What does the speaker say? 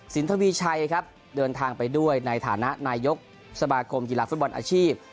ทวีชัยครับเดินทางไปด้วยในฐานะนายกสมาคมกีฬาฟุตบอลอาชีพ